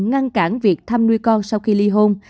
ngăn cản việc thăm nuôi con sau khi ly hôn